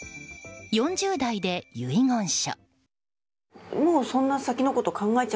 ４０代で遺言書。